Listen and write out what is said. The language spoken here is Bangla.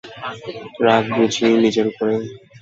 রাগ বুঝি নিজের উপরেই।